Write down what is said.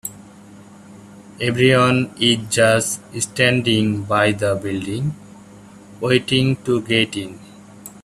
Everyone is just standing by the building, waiting to get in.